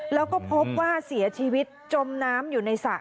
แล้วก็พบว่าเสียชีวิตจมน้ำอยู่ในสระ